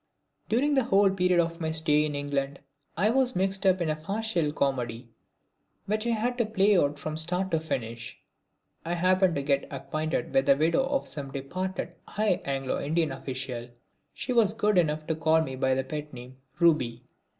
During the whole period of my stay in England I was mixed up in a farcical comedy which I had to play out from start to finish. I happened to get acquainted with the widow of some departed high Anglo Indian official. She was good enough to call me by the pet name Ruby.